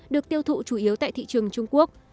được tiêu thụ chủ yếu tại thị trường trung quốc